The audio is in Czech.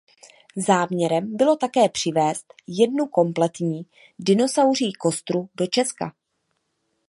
Záměrem bylo také přivézt jednu kompletní dinosauří kostru do Česka.